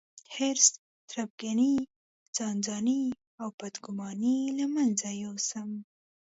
حرص، تربګني، ځانځاني او بدګوماني له منځه يوسم.